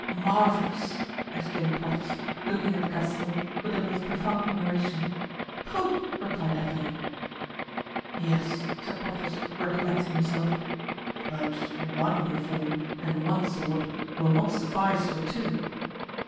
"Marvelous!" exclaimed Porthos, looking at the Gascon with the most profound admiration. "Pooh!" replied D'Artagnan. "Yes," said Porthos, recollecting himself, "but one uniform and one sword will not suffice for two."